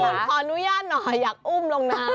คุณขออนุญาตหน่อยอยากอุ้มลงน้ำ